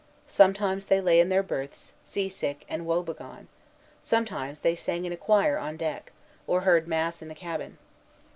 Sometimes they lay in their berths, sea sick and woe begone; sometimes they sang in choir on deck, or heard mass in the cabin.